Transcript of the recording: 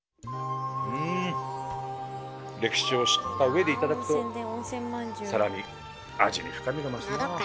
うん歴史を知った上で頂くとさらに味に深みが増すなぁ。